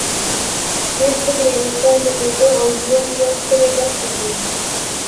• شنې سترګې د انسان د ټوټو او ژوند یوه ښکلي برخه دي.